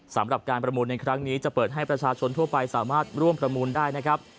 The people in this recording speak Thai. สำหรับการประมูลในครั้งนี้จะเปิดให้ประชาชนทั่วไปสามารถร่วมประมูลได้นะครับ